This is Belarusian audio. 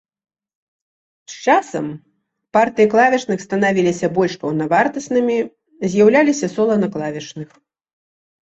З часам партыі клавішных станавіліся больш паўнавартаснымі, з'яўляліся сола на клавішных.